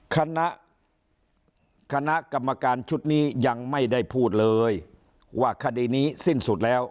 คณะกรรมการชุดนี้ยังไม่ได้พูดเลยว่าคดีนี้สิ้นสุดแล้ว